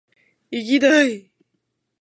いぎだい！！！！